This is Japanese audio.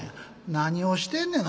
「何をしてんねな。